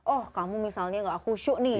oh kamu misalnya gak khusyuk nih